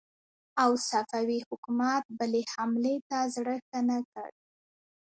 او صفوي حکومت بلې حملې ته زړه ښه نه کړ.